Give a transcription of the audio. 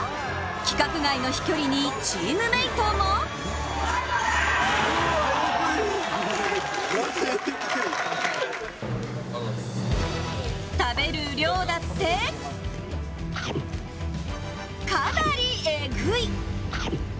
規格外の飛距離にチームメートも食べる量だって、かなりエグい！